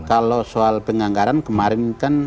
kalau soal penganggaran kemarin kan